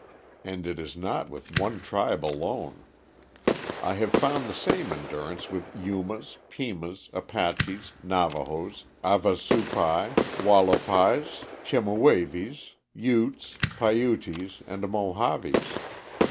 And it is not with one tribe alone. I have found the same endurance with Yumas, Pimas, Apaches, Navahos, Havasupais, Wallapais, Chemehuevis, Utes, Paiutis, and Mohaves.